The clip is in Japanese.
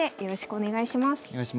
お願いします。